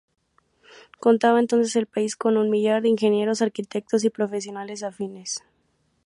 Contaba entonces el país con un millar de ingenieros, arquitectos y profesionales afines.